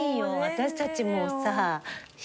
私たちもうさ